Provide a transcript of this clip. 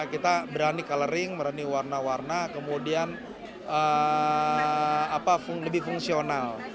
kita berani coloring berani warna warna kemudian lebih fungsional